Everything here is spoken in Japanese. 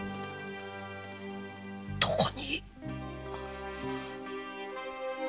どこに？